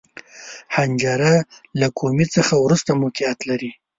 حنجره له کومي څخه وروسته موقعیت لري.